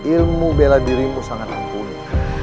ilmu bela dirimu sangat mumpuni